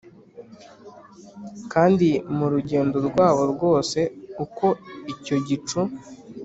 Kandi mu rugendo rwabo rwose uko icyo gicu